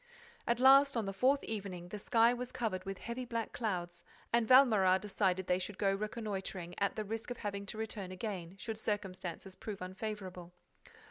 At last, on the fourth evening, the sky was covered with heavy black clouds and Valméras decided that they should go reconnoitring, at the risk of having to return again, should circumstances prove unfavorable.